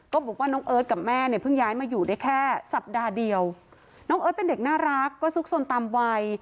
บอกว่าน้องเอิร์ทกับแม่เนี่ยเพิ่งย้ายมาอยู่ได้แค่สัปดาห์เดียวน้องเอิร์ทเป็นเด็กน่ารักก็ซุกสนตามวัย